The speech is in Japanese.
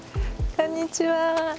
こんにちは。